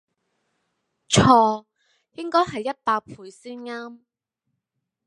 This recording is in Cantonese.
錯應該係一百倍先岩